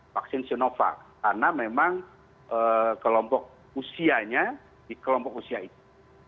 vaksin sinovac karena memang kelompok usianya di kelompok usia itu